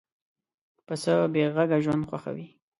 پسه بېغږه ژوند خوښوي.